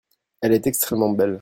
Elle est extrêmement belle.